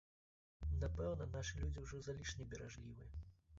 Напэўна, нашы людзі ўжо залішне беражлівыя.